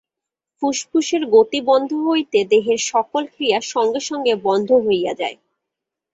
ফুসফুসের গতি বন্ধ হইলে দেহের সকল ক্রিয়া সঙ্গে সঙ্গে বন্ধ হইয়া যায়।